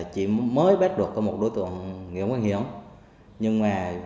điều trợ viên